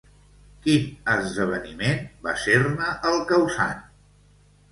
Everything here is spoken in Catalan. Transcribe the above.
Quin esdeveniment va ser-ne el causant?